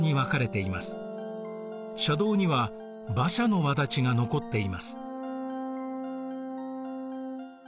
車道には馬車の轍が残っています。